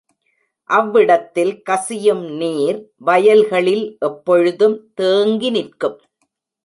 அவ்விடத்தில் கசியும் நீர் வயல்களில் எப்பொழுதும் தேங்கிநிற்கும்.